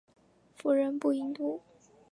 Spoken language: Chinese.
妇人不淫妒。